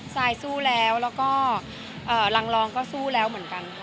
ซายสู้แล้วแล้วก็รังรองก็สู้แล้วเหมือนกันค่ะ